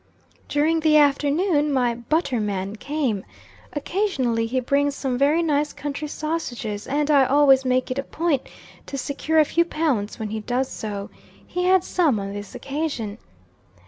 During the afternoon, my "butter man" came. Occasionally he brings some very nice country sausages, and I always make it a point to secure a few pounds when he does so. He had some on this occasion.